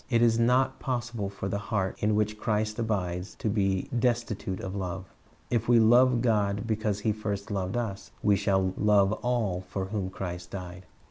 It is not possible for the heart in which Christ abides to be destitute of love. If we love God because He first loved us, we shall love all for whom Christ died.